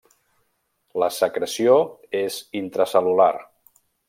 La secreció és intracel·lular.